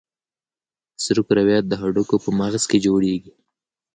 سره کرویات د هډوکو په مغز کې جوړېږي.